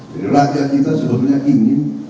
jadi rakyat kita sebetulnya ingin